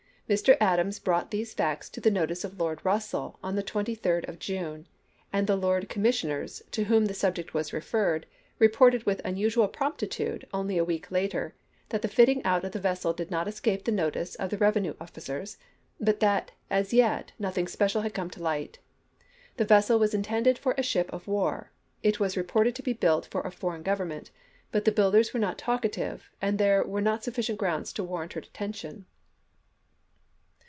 Mr. Adams brought these facts to the notice of Lord Russell on the 23d of June, and the Lords Commissioners, to whom the 1862. subject was referred, reported with unusual promptitude, only a week later, that the fitting out of the vessel did not escape the notice of the rev enue officers, but that, as yet, nothing special had come to light. The vessel was intended for a ship of war ; it was reported to be built for a foreign government; but the builders were not talkative, and there were not sufficient grounds to warrant her detention.